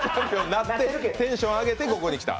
なって、テンション上げてここに来た？